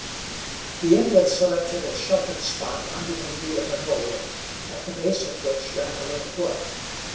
The Indians selected a sheltered spot under the lee of a knoll, at the base of which ran a little brook.